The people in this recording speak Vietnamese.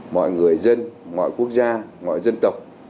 mọi người dân mọi quốc gia mọi dân tộc